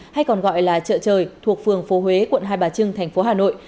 hay còn gọi là chợ trời thuộc phường phố huế quận hai bà trưng thành phố hà nội